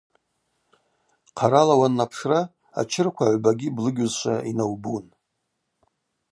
Хъарала уаннапшра ачырква агӏвбагьи блыгьузшва йнаубун.